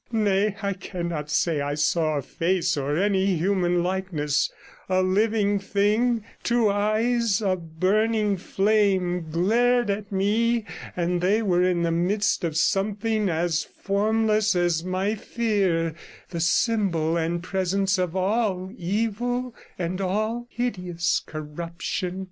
Nay, I cannot say I saw a face or any human likeness; a living thing, two eyes of burning flame glared at me, and they were in the midst of something as formless as my fear, the symbol and presence of all evil and all hideous corruption.